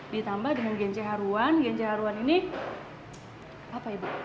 ditambah dengan genceruan genceruan ini apa ibu